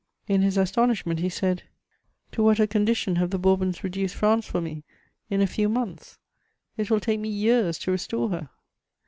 In his astonishment he said: "To what a condition have the Bourbons reduced France for me, in a few months! It will take me years to restore her."